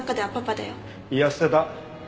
いや捨てた。